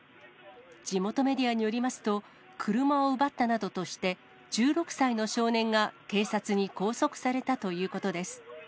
地元メディアによりますと、車を奪ったなどとして、１６歳の少年が警察に拘束されたということです。